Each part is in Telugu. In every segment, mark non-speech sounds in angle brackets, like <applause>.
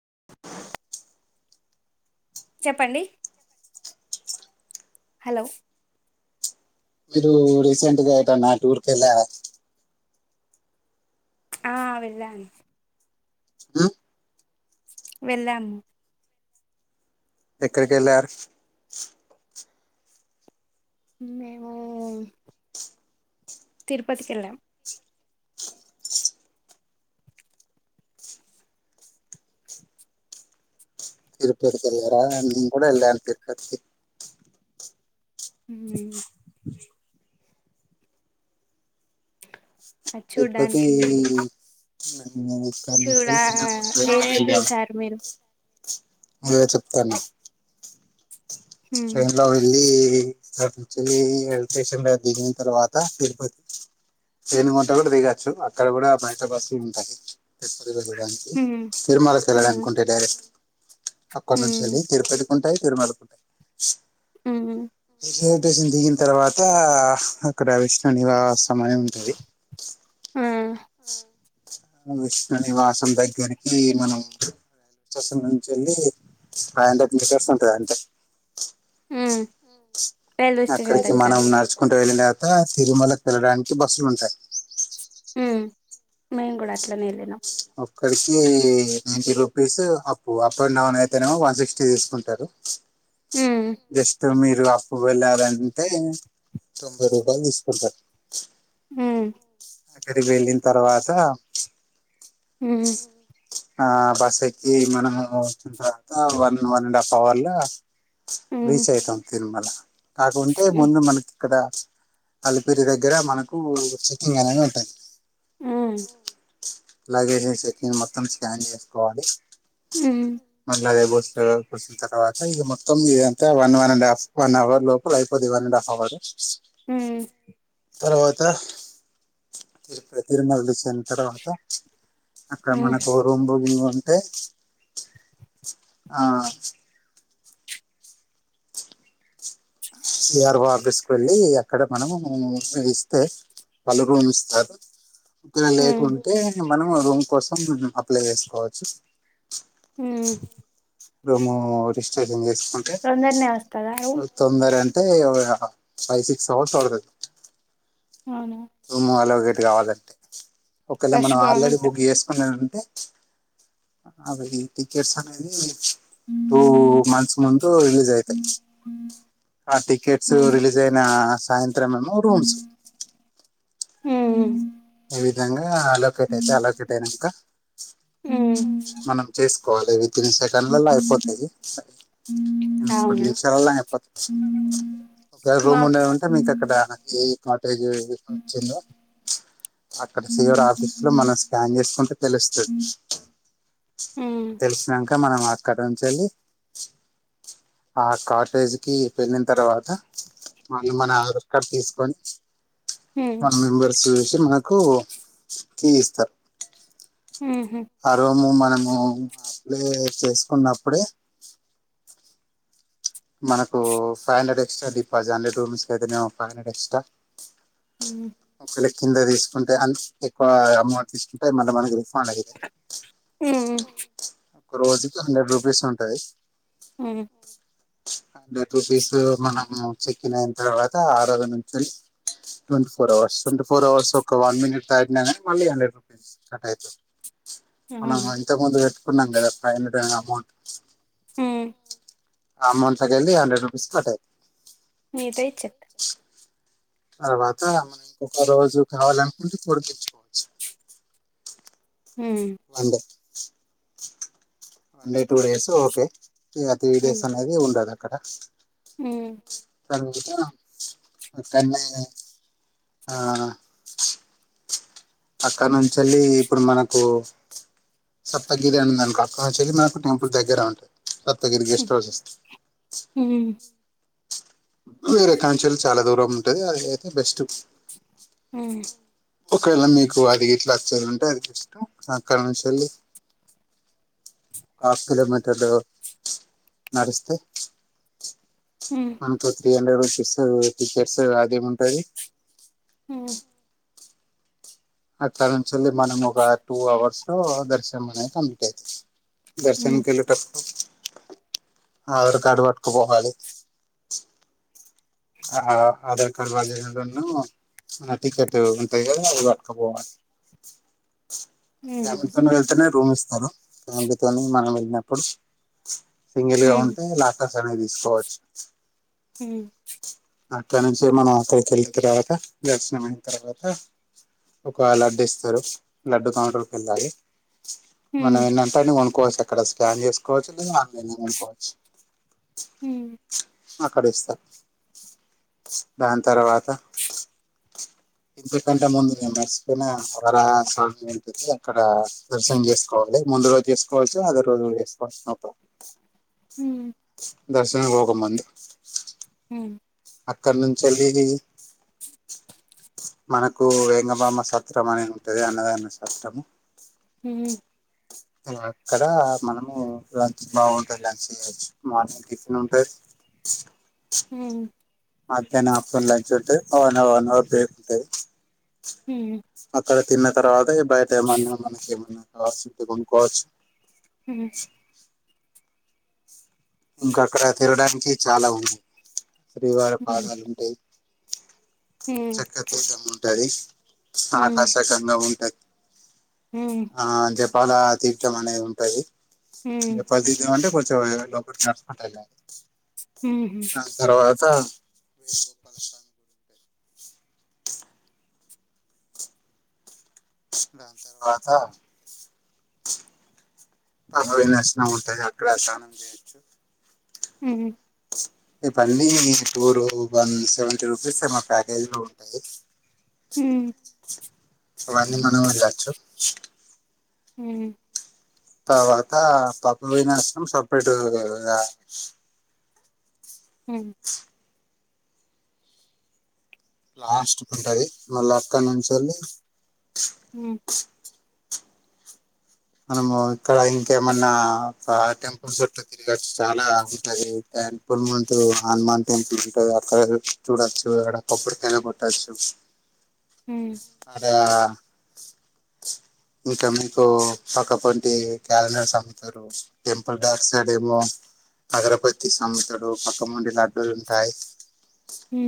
ఆ చెప్పండి హలో మీరు రీసెంట్ గా ఎటన్నా టూర్ కెల్లారా ఆ వెళ్ళాన్ ఉమ్, వెళ్ళాము ఎక్కడికి ఎళ్ళారు. మేము తిరుపతికెళ్ళాం. తిరుపతికెల్లారా నేను కూడా ఎళ్ళను, తిరుపతికి హ్మ్ అది చూడ్డానికి తిరుపతి ఈ ఉ చూడా <unintelligible> ఏమేం చూసారు మీరు <unintelligible> అదే చెప్తాన్న హ్మ్. ట్రైన్లో వెళ్ళి అక్కడ నుంచి ఎల్ స్టేషన్ దిగిన తర్వాత తిరుపతి, రేణిగుంట కూడా దిగచ్చు. అక్కడ కూడా బయట బస్సు ఉంటాయి తిరుపతి హ్మ్. తిమాలోకి హ్మ్. వెళ్లాలనుకుంటే డైరెక్ట్ అక్కడ నుంచి హ్మ్. వెళ్ళి తిరుపతి వుంటాయి తిరుమలకి వుం <unintelligible> హ్మ్ రైల్వేస్టేషన్ దిగిన తర్వాత అక్కడ విష్ణు నివాసం అనే ఉంటుది. ఆ! విష్ణు నివాసం దగ్గరికి మనం స్టేషన్ నుంచి వెళ్ళి ఫైవ్ హండ్రెడ్ మీటర్స్ ఉంటది. అంటే హ్మ్. రైల్వే స్టేషన్ అక్కడికి దగ్గర మనం నడుచుకుంట వెళ్లినాక తిరుమలకి త వెళ్లడానికి బస్సులు ఉంటాయి. ఉ మేము కూడా అట్లనే వెళ్ళేనం అక్కడికి ninety rupees up up and down అయితే వన్ సిక్స్టీ తీసుకుంటారు. హ్మ్. జస్ట్ మీరు వెళ్ళాలంటే తొంభై రూపాయలు తీసుకుంటారు. ఆ అక్కడికి వెళ్ళిన తర్వాత ఉ ఆ బస్ ఎక్కి మనము ఇప్పుడంతా one one and half hour లో హ్మ్. రీచ్ అయితం తన్మళ <unintelligible> కాకుంటే హ్మ్. ముందు మనకి ఇక్కడ అలిపిరి దగ్గర మనకు చెకింగ్ అనేవి ఉంటాయి. హ్మ్. అ <unintelligible> అలాగే సక్కిన్ మొత్తం స్కాన్ చేసుకోవాలి. హ్మ్. మనలాగే బో కూర్చిన తర్వాత ఇక మొత్తం ఇదంటే one one and half one hour లోపల అయిపోది. వన్ అండ్ హాఫ్ అవర్ హ్మ్ తర్వాత తిరుపతి తిరుమల చిన తర్వాత స అక్కడమణ హ్మ్. కోర్వం పోగి అంటే ఆ సిఆర్ఓ ఆఫీస్ కు వెళ్ళి అక్కడ మనము ఇస్తే వాళ్ళు రూమ్ ఇస్తారు ఇక్కర లేక్ హ్మ్. ఉంటే మనం రూమ్ కోసం అప్లై చేసుకోవచ్చు హ్మ్ రూము డిస్కషన్ చే తొందరనే వస్తార సర అంటే ఫైవ్ సిక్స్ అవర్స్ పడతది అవును రము అలో ఒకటి కావాలంటే ఒకేళ రష్ మనం ఆల్రెడీ బాగుంటది బుక్ చేసుకున్నా అ అవి టికెట్స్ అనేది టూ మంత్స్ ముందు రిలీజ్ అయితాయి ఆ టికెట్స్ హ్మ్. రిలీజ్ అయిన సాయంత్రం ఏమో రూమ్స్ హ అవిధంగా హేయ్ అలోకేట్ అయితే అలోకేట్ అయినాక హ్మ్. మనం చే కాలజ కొన్ని సెకండ్లలో అయిపోతాయిర కొన్ని అవునా నిమిషాలలో అయిపోతాయి ఒకవే మా రూమ్ ఉండేదింటే మీకు అక్కడది జచ్చంద అక్కడ సియర్ ఆఫీస్ లో మనం స్కాన్ చేసుకుంటే తెలుస్తుంది హ్మ్ తెలిసినాక మనం క్కథంచి వెళ్లి ఆ కాటేజ్కి వెళ్ళిన తర్వాత వాళ్ళు మన ఆధార్ కార్డ్ తీసుకొని హ్మ్ మెంబర్స్ మ కు కీ ఇస్తారు ఊహూ ఆ రూము మ నేము అప్లై చేసుకున్నప్పుడే మనకు ఫైవ్ హండ్రె ఎస్ట్రా డిపాజిట్ అండి రూమ్స్ క అయితేనేమో ఫైవ్ హండ్రెడ్ ఎక్స్ట్రా మ్ ఒకవేళ కింద తీసుకుంటే అండ్ ఎక్కువ అమౌంట్ తీసుకుంటే మళ్ళీ మనకి మనకి హ్మ్ రోజుకి హండ్రెడ్ రూపీస్ ఉంటాయి హ్మ్ హండ్రెడ్ రూపీస్ మనము చెక్ ఇన్ అయిన తర్వాత ఆరవ నుంచి twenty four hours twenty four hours ఒక వన్ మినిట్ తాటినా కానీ మళ్ళీ హండ్రెడ్ రూపీస్ మనం అవునా ఇంతకు ముందు అనుకున్నాం కదా ఫైవ్ హండ్రెడ్ అమౌంట్ హ అమౌంట్‌లో కల హండ్రెడ్ రూపీస్ పడ్డాయ్ నీతో ఇచ్చేత్తా తర్వాత ఒక రోజు కావాలనుకుంటే పోడిగించుకోవచ్చు ఉమ్ one day two days okay ఈ అతి విదేసీ అనేది ఉండడమే కద అ అక్కనే ఆ అక్కడ నుంచి వెళ్ళి ఇప్పుడు మనకు సప్తగిరి అంది అనుకో అక్కడ నుంచి వెళ్ళి మనకు టెంపుల్ దగ్గర సప్తగిరి గెస్ట్ హౌస్ హ్మ్ వేరే కాంచెలు చాలా దూరం ఉంటుది అది అయితే బెస్ట్ ఉమ్ ఒక్కేల మీ కు అది ఇట్లా వచ్చేరుంటే అక్కడ నుంచిల్ళి హఫ్ కిలోమీటర్లు నడిస్తే హ్మ్ మంత్లీ త్రీ హండ్రెడ్ రూపీస్ ఆ టికెట్స్ అది ఏ ఉంటది హ్మ్ అక్కడ చెల్లి మనం ఒక టూ అవర్స్ లో దర్శనం అనేది ఉంది క్స్ <inaudible> హ్మ్ దర్శన కల్లు టప్పు ఆధారకార్డ్ పట్కాపోవాలి ఆధార్ కార్డు బధ టికెట్ ఉంటది కదా అది పట్కాపోవాలి హ్మ్ ఎవరితోనే వెళ్తునే రూమ్ ఇస్తారు ఫ్యామిలీతోని మనం వెళ్ళినప్పుడు సింగల్గా హ్మ్ ఉంటే లాస్ట్ శని తీసుకోవచ్చు హుమ్ అక్కడ నుంచి మనం అక్కడికి వెళ్ళిన తర్వాత దర్శనమయిన తర్వాత ఒక లడ్డు ఇస్తారు లడ్డు కౌంటరకి వెళ్ళాలి మన హ్మ్ ఎంతాని పోను ఆఫ్కోర్స్ అక్కడ స్కాన్ చేసుకోవచ్చు లేదా ఆన్లైన్ అనుకోవచ్చు హ్మ్ అక్కడిస్తా దాని తర్వాత ఎందుకంటే ముందు నే మర్చిపోయిన వరాహ స్వామి ఉంటది అక్కడ దర్శనం చేసుకోవాలి ముందు రోజు చేసుకోవచ్చు అదే రోజు చేసుకోవచ్చు నో ప్రాబ్లం హుమ్ దర్శనంకోక మంది హుమ్ అక్కడి నుంచి వెళ్ళి మనకు వేంగబామ సత్రం అనేది ఉంటది అన్నదాన సత్రము హ్మ్ అక్కడ మనము లంచ్ బాగుంటుంది లంచ్ చేయచ్చు మార్నింగ్ టిఫిన్ ఉంటది హుమ్ మధ్యాహ్నం ఆఫ్ లంచ్ ఉంటది వన్ అవర్ బ్రేక్ ఉంటది హ్మ్ అక్కడ తిన్న తర్వాత ఇప్పుడూ అయితే ఏమన్నా మనక ఏమన్నానా రాసింటే కొనుకోవచ్చు ఉమ్ ఇంకా అక్కడ తినడానికి చాలా ఉంది శ్రీవారి హ్మ్ హ్మ్ పాదాలు ఉంటాయి చెక్కతిదమ ఉంటది హ్మ్ ఆకాశ గంగ ఉంటాది హ్మ్ హ్మ్ హ్మ్ ఆ దెబ్ ఆడ తీర్థం అనేది ఉంటుది ఏ హ్మ్ హ్మ్ పదిది అంటే కొద్ది శివాయ లోపట చానా <unintelligible> హ ఆ దాని తర్వాత బవి నశనం ఉంటుంది అక్కడ స్నానం చేయొచ్చు ఉ ఈ పళీ టూర్ వన్ సెవెంటీ రూపీస్ ఏమ ప్యాకేజ్లో ఉంటుంది. హ్మ్ హ్మ్ హ్మ్ హ్మ్ <inaudible> వాణి మనం వెళ్ళచ్చు హుమ్ తర్వాత పప్ప పోయినష్టం సపరేట్ హుమ్ లాస్ట్కు ఉంటది మళ్ళీ అక్కడి నుంచేళ్ళి ఉమ్ మనము ఇక్కడ ఇంకేమన్నా ఆ టెంపుల్స్ చుట్టు తిరగచ్చు చాలాగుంటది టెంపుల్ ము హనుమాన్ టెంపుల్ ఉంటది అక్కడ చూడొచ్చు అక్కడ కొబడి తిన కొట్టచ్చు హ్మ్ అదే ఇకా మీకు పక్కపంటి క్యాలెండర్ సమ్ముతారు టెంపుల్ డాక్ సైడ్ ఏమో అగరాబట్టిస్ సమ్ముతడు పక్కవంటీ లడ్డూలు ఉంటాయి హ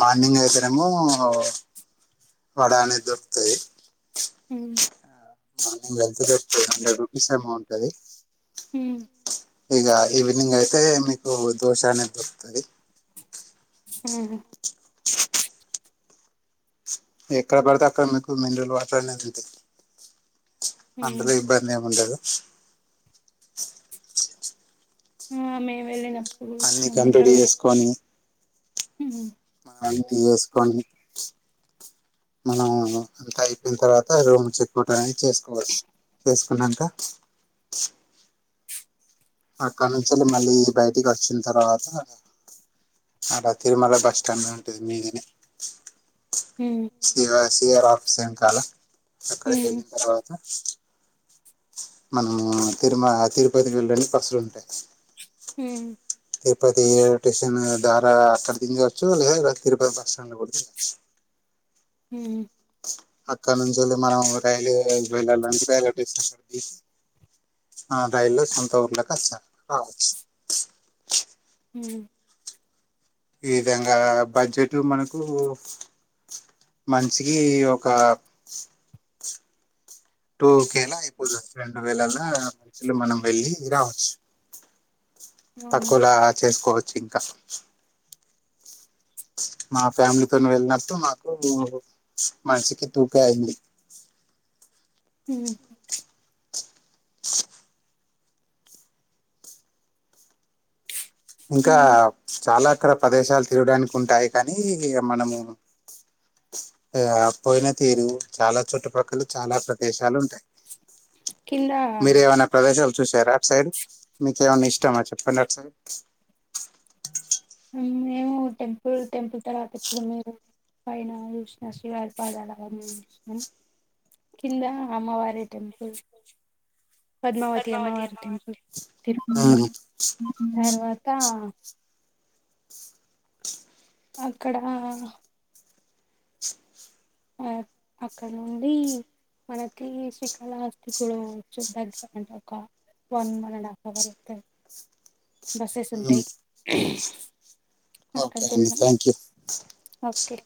మార్నింగ్ అయితేనేమో వాడేన ఎదురొత్తే హ్మ్ <unintelligible> హండ్రెడ్ రూపీస్ ఏమో ఉంటది అది హ్మ్ ఇగ ఈవినింగ్ అయితే మీకు దోశ అనేది దొరుకుతది. హ్మ్ ఎక్కడ పడితే అక్కడ మీకు మినరల్ వాటర్ అనేది ఉ హ్మ్ అందులో ఇబ్బంది ఏముండదు. ఆ హ్మ్ మేము వెళ్ళినప్ అన్ని కంప్లీట్ చేసుకోని ఉమ్, అంటి వేసుకొని మనం అంత అయిపోయిన తర్వాత రూమ్ చెక్ ఔటై చేసుకోవచ్చు చేసుకో అన్నాంక అక్కడ నుంచి వెళ్ళి మళ్ళీ బయటికి వచ్చిన తర్వాత అడ తిరుమల బస్ స్టాండ్ ఉంటుంది మీదినే ఉమ్, ఇవ సి ఆర్ ఆఫీస్ ఎనకాల అక్కడ కి ఉమ్, వెళ్ళిన తర్వాత మనము తిరుమల తిరుపతికి వెళ్ళడానికి బస్సులుంటాయి తిరుపతి స్టేషన్ ద్వారా అక్కడ దించవచ్చు లేదా ఇ తిరుపతి బస్ స్టాండ్లో కూడా దిగొచ్చు మ్మ్ అక్కడ నుంచి వెళ్ళి మనం రైలు వెళ్ళాలంటే రైలు స్టేషన్ కి ఆ రైలులో సొంత ఊళ్ళకి వచ్చారు రావచ్చు హ ఈ విధంగా బడ్జెట్ మనకు మనిషికి ఒక టూకేలో అయిపోతది. రెండు వేలలా ఇలా మనం వెళ్ళి రావచ్చు అవునా తక్కువ లాచేసుకో ఇంక మా ఫ్యామిలీతోని వెళ్ళినప్పుడు మాకు టూ మనిషికి పూకే అయింది. ఊహూ ఇంకా మేము చాలా అక్కడ ప్రదేశాలు తిరగడానికి ఉంటాయి కానీ ఇగ మనము ఆ పోయిన తీరు చాలా చుట్టుపక్కలు చాలా ప్రదేశాలు ఉంటాయి. కింద మీరు ఏమైనా ప్రదేశాలు చూసారా అట్ సైడ్ మీకేమైన్నా ఇష్టమా చెప్పండి అట్ సైడ్ మేము టెంపుల్ టెంపుల్ తర్వాత ఇప్పుడు మీరు పైన చూసిన శ్రీవారి పాదాలే చూసినాం కింద అమ్మవారి టెంపుల్ పద్మావతి అమ్మవారి టెంపుల్ తిరుపతిలో తర్వాత అక్కడా ఆ అక్కడ నుండి మనకి శ్రీ కాళహస్తి తులు <unintelligible> బక్గ అ ఒక వన్ అండ్ హాఫ్ అవర్ ఉంటది బస్సెస్ ఉంటాయి ఓకే అక్కడికి అండి వెళ్ళాం థ్యాంక్ యూ ఓకే